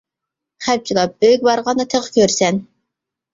— خەپ جالاپ، ئۆيگە بارغاندا تېخى كۆرىسەن.